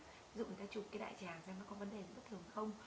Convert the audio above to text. ví dụ người ta chụp cái đại tràng xem nó có vấn đề bất thường không